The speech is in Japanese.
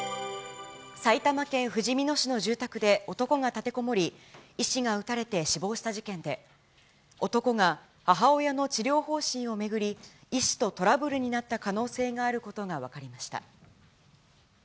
埼玉県ふじみ野市の住宅で男が立てこもり、医師が撃たれて死亡した事件で、男が母親の治療方針を巡り、医師とトラブルになった可能性があることが分かりました。